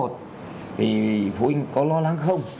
thì phụ huynh có lo lắng không